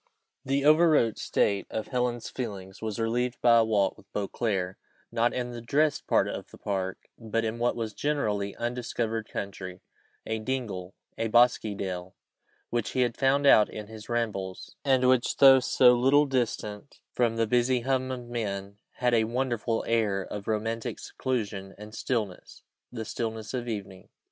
The overwrought state of Helen's feelings was relieved by a walk with Beauclerc, not in the dressed part of the park, but in what was generally undiscovered country: a dingle, a bosky dell, which he had found out in his rambles, and which, though so little distant from the busy hum of men, had a wonderful air of romantic seclusion and stillness the stillness of evening.